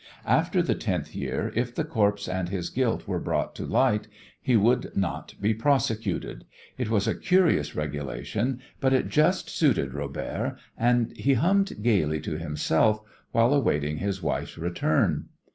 After the tenth year if the corpse and his guilt were brought to light he would not be prosecuted. It was a curious regulation, but it just suited Robert, and he hummed gaily to himself while awaiting his wife's return.